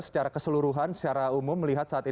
secara keseluruhan secara umum melihat saat ini